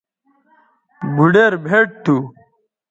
بھوڈیر بھئٹ تھو